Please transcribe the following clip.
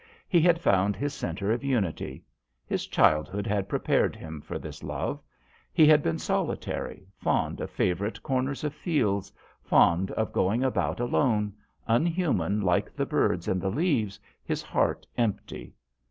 He had found his centre of unity. His childhood had prepared him for this love. He had been solitary, fond of favourite corners of fields, fond of going about alone, unhuman like the birds and the leaves, his heart empty.